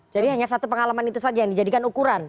jadi hanya satu pengalaman itu saja yang dijadikan ukuran